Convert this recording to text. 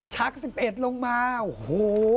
ชัก๑๑ลงมาโอ้โห